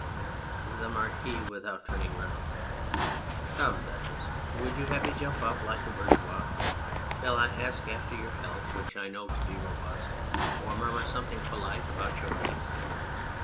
THE MARQUIS (without turning round). Come, Duchess, would you have me jump up like a bour geois ? Shall I ask after your health, which I know 212 The Candour of Maturity to be robust, or murmur something polite about your niece